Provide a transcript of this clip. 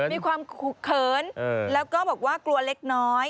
มีความเขินแล้วก็บอกว่ากลัวเล็กน้อย